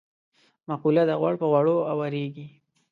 مقوله ده: غوړ په غوړو اورېږي.